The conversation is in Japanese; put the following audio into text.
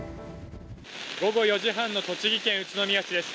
午後４時半の栃木県宇都宮市です。